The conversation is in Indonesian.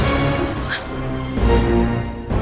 tapi aku masih ingat